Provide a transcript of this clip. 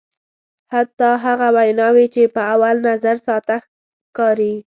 حتی هغه ویناوی چې په اول نظر ساده ښکاري.